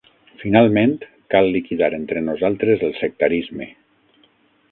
Finalment, cal liquidar entre nosaltres el sectarisme.